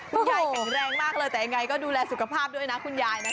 คุณยายแข็งแรงมากเลยแต่ยังไงก็ดูแลสุขภาพด้วยนะคุณยายนะคะ